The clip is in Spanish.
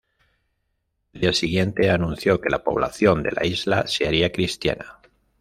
Al día siguiente anunció que la población de la isla se haría cristiana.